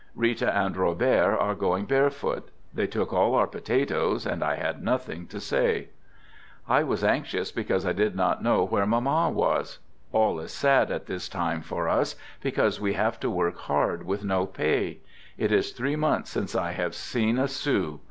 Rita and Robert are going barefoot. They took all our potatoes, and I had nothing to say. Digitized by iao "THE GOOD SOLDIER" I was anxious because I did not know where Mamma was. All is sad at this time for us, because we have to work hard with no pay. It is three months since I have seen a sou.